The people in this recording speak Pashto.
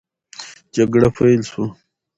جګړه پیل سوه.